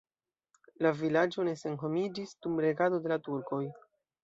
La vilaĝo ne senhomiĝis dum regado de la turkoj.